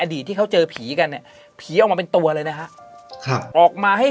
อดีตที่เขาเจอผีกันนี่พี่ออกมาเป็นตัวอยู่นะนะออกมาให้